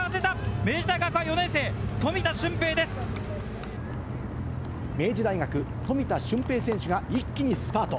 明治大学は４年生、明治大学、富田峻平選手が一気にスパート。